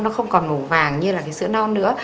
nó không còn màu vàng như sữa non nữa